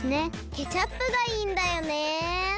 ケチャップがいいんだよね。